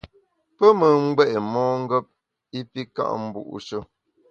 Pe me ngbé’ mongep i pi ka’ mbu’she.